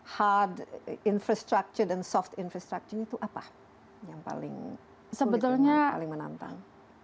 heart infrastructure dan soft infrastructure itu apa yang paling sulit paling menantang